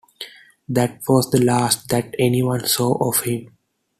That was the last that anyone saw of him.